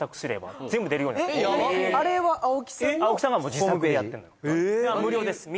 あれは青木さんが自作でやってんのよ